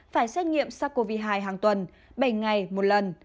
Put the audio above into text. phải xét nghiệm sars cov hai hàng tuần bảy ngày một lần